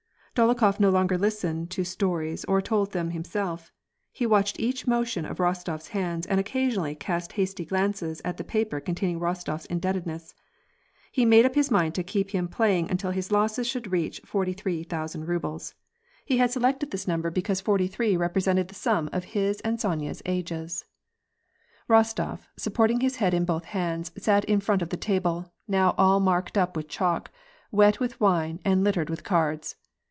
Dolokhof no longer listened to stories or told them himself ; he watched each motion of Rostofs hands, and occasionally cast hasty glances at the paper containing Rostofs indebtedness. He had made up his mind to keep him playing until his losses should reach forty three thousand rubles. He had selected 56 WAk AND PEACE. this number because forty three represented the sum of his and Sonya's ages. Kostof, supporting his head in both hands, sat in front of the table, now all marked up with chalk, wet with wine, and littered with cards.